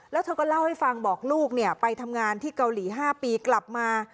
แล้วเธอก็เล่าให้ฟังบอกลูกไปทำงานที่เกาหลี๕ปีกลับมา